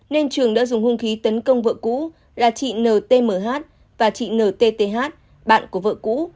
nên trường đã dùng hung khí tấn công vợ cũ là chị ntmh và chị ntth bạn của vợ cũ